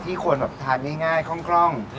ที่คนทานง่ายคล่อง